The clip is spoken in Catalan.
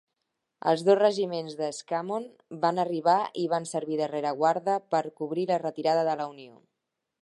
Els dos regiments de Scammon van arribar i van servir de rereguarda per cobrir la retirada de la Unió.